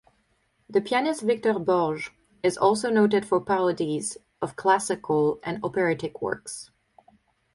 The pianist Victor Borge is also noted for parodies of classical and operatic works.